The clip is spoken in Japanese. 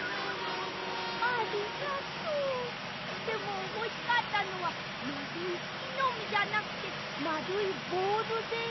でもほしかったのはまるいきのみじゃなくてまるいボールで。